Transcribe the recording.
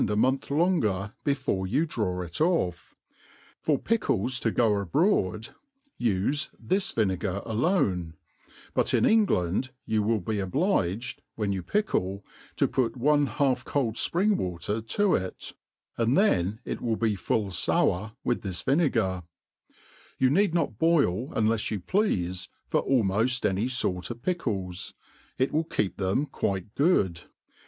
a month longer before you draw it ofi^. For pickles to go abroad ufe this vinegar alone ; but in England you will be obliged, when you pickle, to put one half told fpring water to ir, and then it will be full four with this vi* negar» You need not boil unlefs you pleafe, for almoft any fort of pickles ; it will keep them quite good.